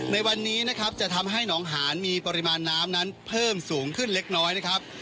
ในวันนี้นะครับจะทำให้หนองหานมีปริมาณน้ำนั้นเพิ่มสูงขึ้นเล็กน้อยนะครับ